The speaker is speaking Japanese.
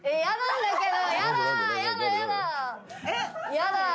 やだ。